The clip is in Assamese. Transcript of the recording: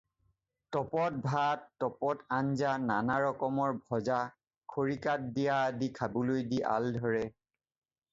তপত ভাত, তপত আঞ্জা, নানা ৰকমৰ ভজা, খৰিকাত দিয়া আদি খাবলৈ দি আল ধৰে।